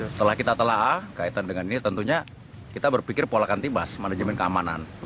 setelah kita telah kaitan dengan ini tentunya kita berpikir pola ikan timas manajemen keamanan